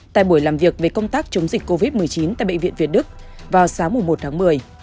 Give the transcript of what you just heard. tại buổi làm việc về công tác chống dịch covid một mươi chín tại bệnh viện việt đức vào sáng một tháng một mươi